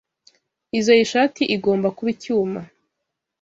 Izoi shati igomba kuba icyuma.